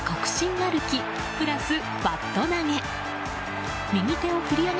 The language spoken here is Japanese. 歩きプラスバット投げ。